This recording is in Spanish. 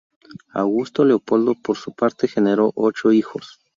Augusto Leopoldo, por su parte, generó ocho hijos.